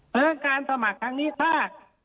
เพื่อการสมัครทางนี้ถ้า